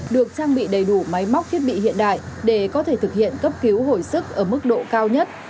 được trang bị đầy đủ máy móc thiết bị hiện đại để có thể thực hiện cấp cứu hồi sức ở mức độ cao nhất